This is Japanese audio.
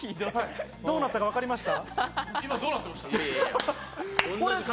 どうなったかわかりました？